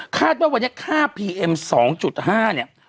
คาดว่าวันนี้ค่าพีเอ็ม๒๕เนี่ย